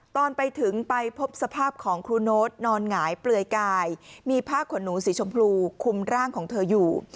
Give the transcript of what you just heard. ตอนไปถึงไปพบสภาพของครูโน๊ตนอนหงายเปลือยกายมีผ้าขนหนูสีชมพูคุมร่างของเธออยู่